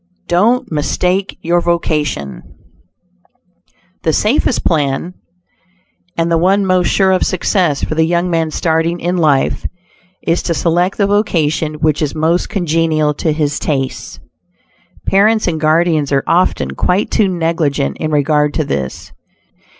DON'T MISTAKE YOUR VOCATION The safest plan, and the one most sure of success for the young man starting in life, is to select the vocation which is most congenial to his tastes. Parents and guardians are often quite too negligent in regard to this.